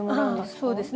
そうですね